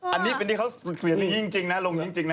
อันนี้เป็นที่เขาเสียงจริงนะลงจริงนะ